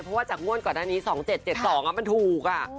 เพราะว่าจากงวดกว่านั้นนี้สองเจ็ดเจ็ดสองอ่ะมันถูกอ่ะ